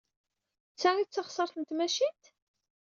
D ta ay d taɣsert n tmacint?